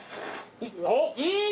いい！